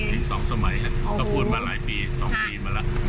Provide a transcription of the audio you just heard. กิน๒สมัยค่ะต้องพวงมาลายปี๒ปีมาแล้ว